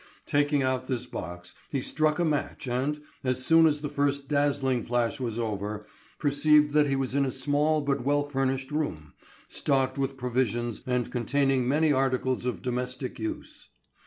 Taking out this box, he struck a match and, as soon as the first dazzling flash was over, perceived that he was in a small but well furnished room, stocked with provisions and containing many articles of domestic use.